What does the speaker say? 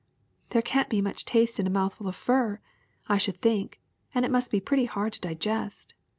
''There can't be much taste in a mouthful of fur, I should think, and it must be pretty hard to digest.'